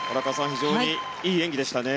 非常にいい演技でしたね。